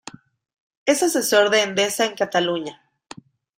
Es asesor de Endesa en Cataluña.